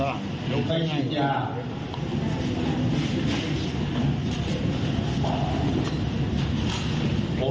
ไปไหนจ้า